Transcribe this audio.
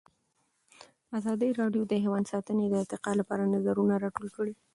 ازادي راډیو د حیوان ساتنه د ارتقا لپاره نظرونه راټول کړي.